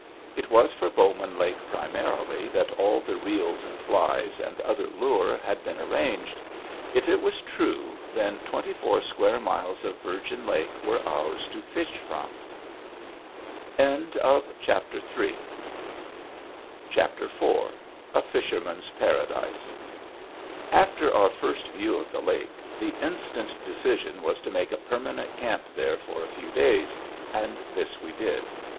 It was for Bowman Lake primarily that all the reels and flies and other lure had been arranged. If it was true, then twenty four square miles of virgin lake were ours to fish from. IV A FISHERMAN'S PARADISE After our first view of the lake, the instant decision was to make a permanent camp there for a few days. And this we did.